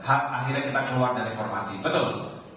hak akhirnya kita keluar dari formasi betul